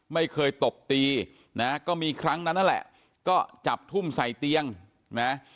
ไม่เคยตบตีนะก็มีครั้งนั้นนั่นแหละก็จับทุ่มใส่เตียงนะ